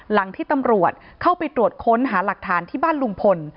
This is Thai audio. หลังที่ตำรวจเข้าไปตรวจค้นหาหลักฐานที่บ้านลุงพล